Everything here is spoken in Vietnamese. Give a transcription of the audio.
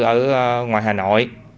ở ngoài hà nội